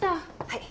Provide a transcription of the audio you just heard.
はい。